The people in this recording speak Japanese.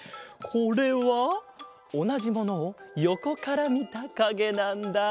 これはおなじものをよこからみたかげなんだ。